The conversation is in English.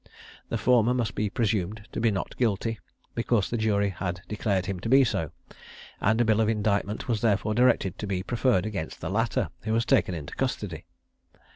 The former must be presumed to be not guilty, because the jury had declared him to be so; and a bill of indictment was therefore directed to be preferred against the latter, who was taken into custody.